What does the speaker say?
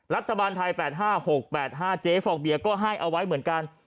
รัฐบาลไทยแปดห้าหกแปดห้าเจ๊ฟองเบียร์ก็ให้เอาไว้เหมือนกัน